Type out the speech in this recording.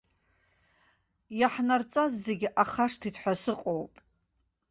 Иаҳнарҵаз зегь ахашҭит ҳәа сыҟоуп.